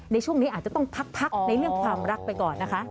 ในช่วงนี้อาจจะต้องพักในเรื่องความรักไปก่อนนะคะ